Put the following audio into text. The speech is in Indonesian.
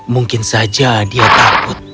mungkin saja dia takut